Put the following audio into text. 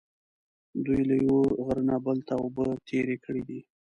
دوی له یوه غره نه بل ته اوبه تېرې کړې دي.